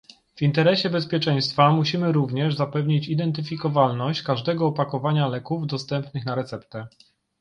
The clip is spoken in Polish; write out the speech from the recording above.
W interesie bezpieczeństwa musimy również zapewnić identyfikowalność każdego opakowania leków dostępnych na receptę